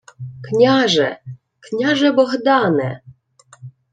— Княже!.. Княже Богдане!..